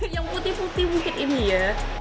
yang putih putih mungkin ini ya